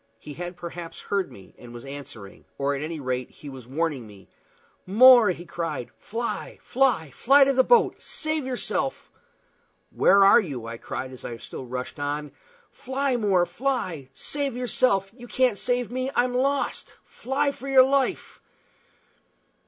He had perhaps heard me, and was answering, or, at any rate, he was warning me. "More," he cried, "fly, fly, fly to the boat! Save yourself!" "Where are you?" I cried, as I still rushed on. "Fly, More, fly! Save yourself! You can't save me. I'm lost. Fly for your life!"